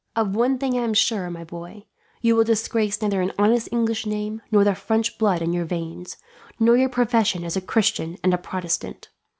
"Of one thing I am sure, my boy you will disgrace neither an honest English name, nor the French blood in your veins, nor your profession as a Christian and a Protestant.